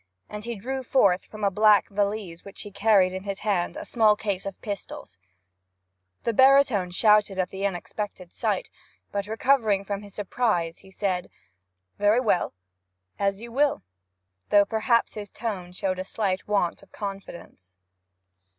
And he drew forth from a black valise which he carried in his hand a small case of pistols. The baritone started at the unexpected sight, but recovering from his surprise said, 'Very well, as you will,' though perhaps his tone showed a slight want of confidence.